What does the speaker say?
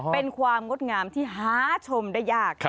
เป็นความงดงามที่หาชมได้ยาก